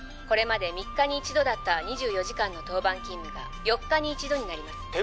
これまで３日に１度だった２４時間の当番勤務が４日に１度になります